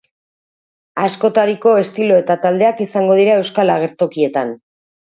Askotariko estilo eta taldeak izango dira euskal agertokietan.